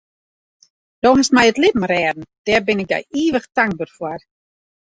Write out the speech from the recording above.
Do hast my it libben rêden, dêr bin ik dy ivich tankber foar.